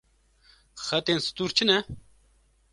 Xetên stûr çi ne?